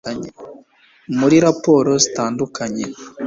muri raporo zitandukanye